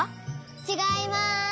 ちがいます。